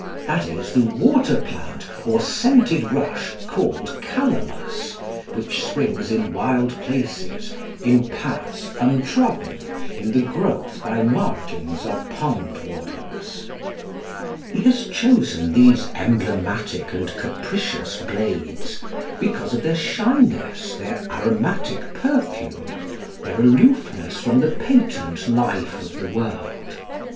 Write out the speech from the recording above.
That is the water plant, or scented rush, called Calamus, which springs in wild places, "in paths untrodden, in the growth by margins of pond waters" He has chosen these "emblematic and capricious blades" because of their shyness, their aromatic perfume, their aloofness from the patent life of the world.